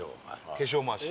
化粧回し。